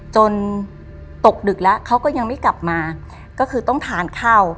จนตกดึกแล้วเขาก็ยังไม่กลับมาก็คือต้องทานข้าว